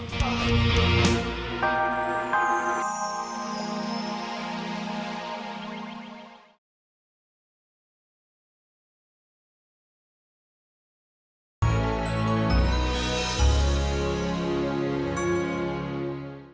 tindakan kami di dalam situs location